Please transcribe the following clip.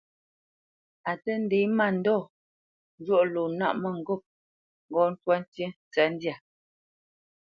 A tə́ ndě mándɔ njwóʼ lo nâʼ mə̂ŋgôp ŋgɔ́ ntwá ntí ntsəndyâ.